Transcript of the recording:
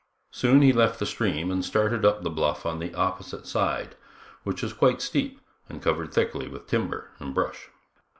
Soon he left the stream and started up the bluff on the opposite side, which was quite steep and covered thickly with timber and brush.